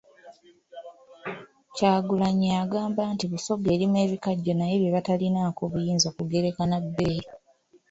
Kyagulanyi agamba nti Busoga erima ebikajjo naye bye batalinaako buyinza kugereka na bbeeyi.